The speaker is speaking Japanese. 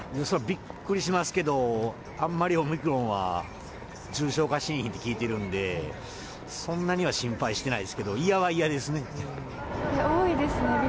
それはびっくりしますけど、あんまりオミクロンは、重症化しいひんって聞いてるんで、そんなには心配してないですけど、嫌は嫌ですね。